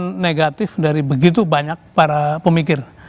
negatif dari begitu banyak para pemikir